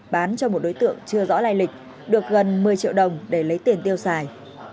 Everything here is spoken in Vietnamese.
bán cho một đối tượng chưa rõ lai lịch được gần một mươi triệu đồng để lấy tiền tiêu xài